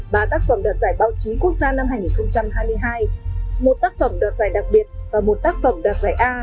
ba tác phẩm đoạt giải báo chí quốc gia năm hai nghìn hai mươi hai một tác phẩm đoạt giải đặc biệt và một tác phẩm đạt giải a